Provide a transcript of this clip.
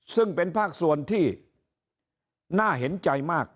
ซึ่งเป็นภาคส่วนที่น่าเห็นใจมาก